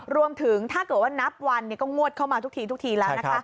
รวมถึงถ้าเกิดว่านับวันก็งวดเข้ามาทุกทีทุกทีแล้วนะคะ